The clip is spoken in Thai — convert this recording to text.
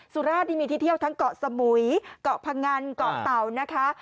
สุราชนี่มีที่เที่ยวทั้งเกาะสมุยเกาะพงันเกาะเต่านะคะ